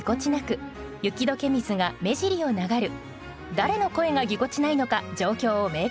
誰の声がぎこちないのか状況を明確に。